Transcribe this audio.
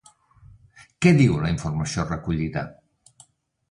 Què diu la informació recollida?